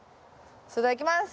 それではいきます。